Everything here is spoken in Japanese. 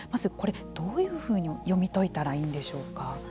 どういうふうに読み解いたらいいんでしょうか。